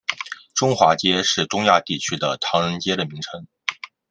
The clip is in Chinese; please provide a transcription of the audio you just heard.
中华街是东亚地区的唐人街的名称。